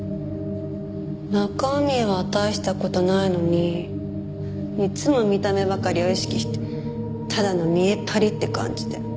中身は大した事ないのにいつも見た目ばかりを意識してただの見えっ張りって感じで。